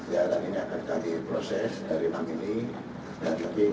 ya dan ini akan jadi proses dari nang ini